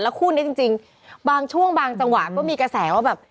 คู่นี้จริงบางช่วงบางจังหวะก็มีกระแสว่าแบบ